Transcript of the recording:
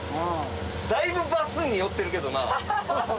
だいぶバスに寄ってるけどな。